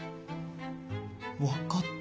分かった！